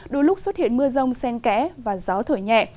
đôi lúc xuất hiện mưa rông sen kẽ và gió thổi nhẹ